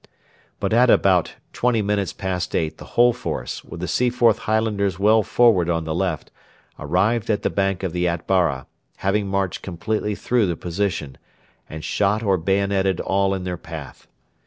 But at about twenty minutes past eight the whole force, with the Seaforth Highlanders well forward on the left, arrived at the bank of the Atbara, having marched completely through the position, and shot or bayoneted all in their path.